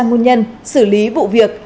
nguyên nhân xử lý vụ việc